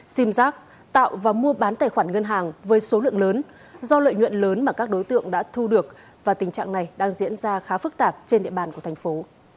sim giác tạo và mua bán tài khoản ngân hàng với số lượng lớn do lợi nhuận lớn mà các đối tượng đã thu được và tình trạng này đang diễn ra khá phức tạp trên địa bàn của thành phố